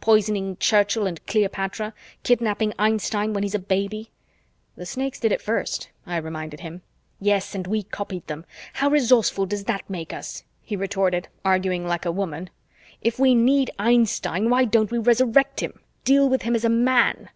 Poisoning Churchill and Cleopatra. Kidnapping Einstein when he's a baby." "The Snakes did it first," I reminded him. "Yes, and we copied them. How resourceful does that make us?" he retorted, arguing like a woman. "If we need Einstein, why don't we Resurrect him, deal with him as a man?"